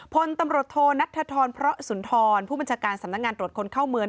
พลตำรวจโทนัทธรพระสุนทรผู้บัญชาการสำนักงานตรวจคนเข้าเมือง